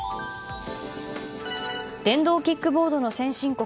電動キックボードの先進国